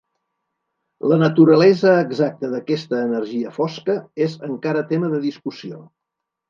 La naturalesa exacta d'aquesta energia fosca és encara tema de discussió.